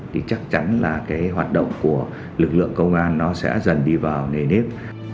thì chắc chắn là cái hoạt động của lực lượng công an nó sẽ dần đi vào nề nếp